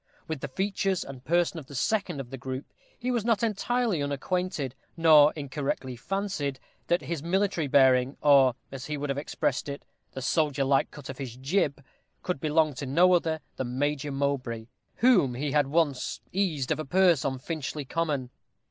With the features and person of the second of the group he was not entirely unacquainted, and fancied nor incorrectly fancied that his military bearing, or, as he would have expressed it, "the soldier like cut of his jib," could belong to no other than Major Mowbray, whom he had once eased of a purse on Finchley Common.